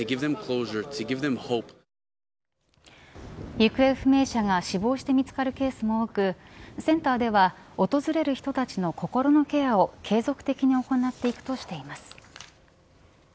行方不明者が死亡して見付かるケースも多くセンターでは訪れる人たちの心のケアを継続的に行っていくとしています。